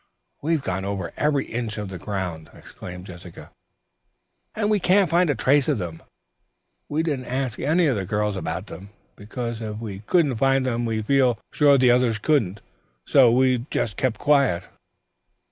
"We've gone over every inch of the ground," exclaimed Jessica, "and we can't find a trace of them. We didn't ask any of the girls about them, because if we couldn't find them we feel sure the others couldn't. So we just kept quiet."